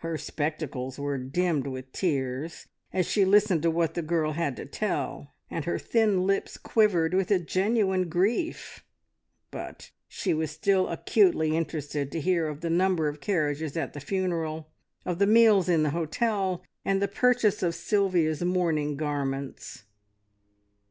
Her spectacles were dimmed with tears as she listened to what the girl had to tell, and her thin lips quivered with genuine grief; but she was still acutely interested to hear of the number of carriages at the funeral, of the meals in the hotel, and the purchase of Sylvia's mourning garments.